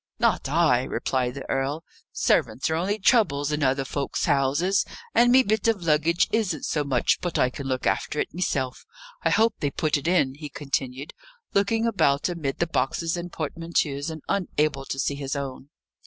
"Not I," replied the earl. "Servants are only troubles in other folk's houses, and me bit of luggage isn't so much but I can look after it meself. I hope they put it in," he continued, looking about amid the boxes and portmanteaus, and unable to see his own.